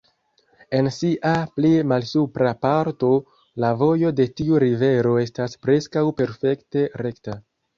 En sia pli malsupra parto la vojo de tiu rivero estas preskaŭ perfekte rekta.